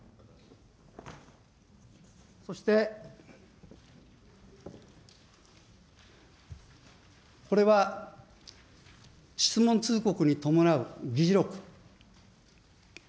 そして、これは質問通告に伴う議事録。